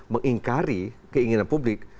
mengingkari keinginan publik